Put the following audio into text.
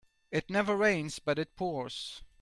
It never rains but it pours.